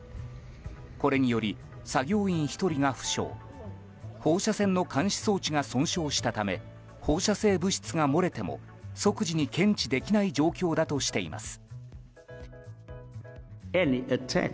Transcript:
これにより、作業員１人が負傷放射線の監視装置が損傷したため放射性物質が漏れても即時に検知できない状況だとしています。